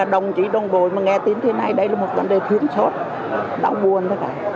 đồng chí đồng bồi mà nghe tiếng thế này đây là một vấn đề thiếu sốt đau buồn tất cả